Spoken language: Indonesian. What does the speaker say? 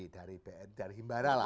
dari himbara lah